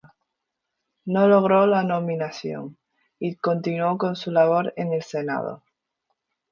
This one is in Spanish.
No logró la nominación y continuó con su labor en el Senado.